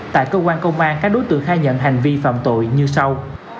tại cơ quan công an các đối tượng khai nhận hành vi phạm tội như sau